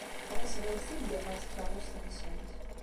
Ɣeṣbent tiddit ɣer tkeṛṛust-nsent.